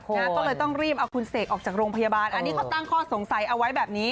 ก็เลยต้องรีบเอาคุณเสกออกจากโรงพยาบาลอันนี้เขาตั้งข้อสงสัยเอาไว้แบบนี้